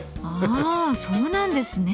あそうなんですね。